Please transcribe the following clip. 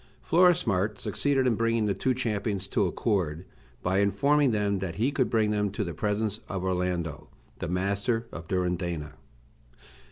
Florismart succeeded in bringing the two champions to accord, by informing them that he could bring them to the presence of Orlando, the master of Durindana.